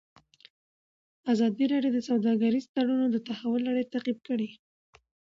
ازادي راډیو د سوداګریز تړونونه د تحول لړۍ تعقیب کړې.